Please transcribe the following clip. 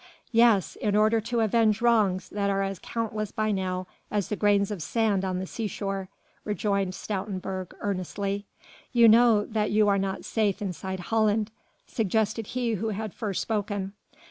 "Yes! in order to avenge wrongs that are as countless by now as the grains of sand on the sea shore," rejoined Stoutenburg earnestly. "You know that you are not safe inside Holland," suggested he who had first spoken.